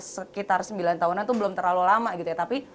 sekitar sembilan tahunan itu belum terlalu lama gitu ya tapi